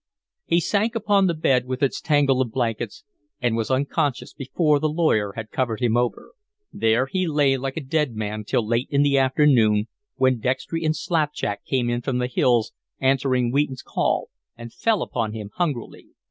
He sank upon the bed with its tangle of blankets and was unconscious before the lawyer had covered him over. There he lay like a dead man till late in the afternoon, when Dextry and Slapjack came in from the hills, answering Wheaton's call, and fell upon him hungrily.